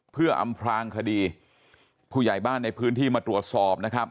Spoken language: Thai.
เพื่ออำพลางคดีผู้ใหญ่บ้านในพื้นที่มาตรวจสอบนะครับ